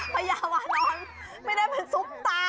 พญาวานอนไม่ได้เป็นซุปตา